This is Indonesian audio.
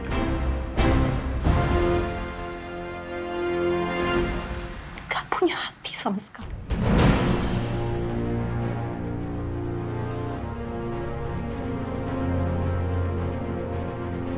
kepunyaan di samskara